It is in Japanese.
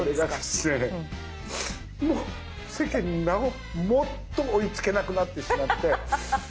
もう世間になおもっと追いつけなくなってしまって。